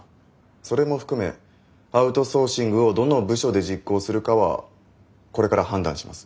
それも含めアウトソーシングをどの部署で実行するかはこれから判断します。